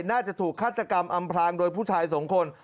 น่าจะถูกฆาตกรรมอำพลางโดยผู้ชายสองคน